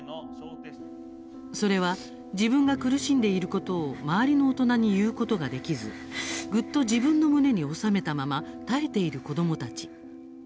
それは自分が苦しんでいることを周りの大人に言うことができずぐっと自分の胸に納めたまま耐えている子どもたち。